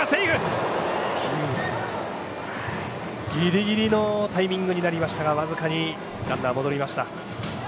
ギリギリのタイミングになりましたが僅かにランナー、戻りました。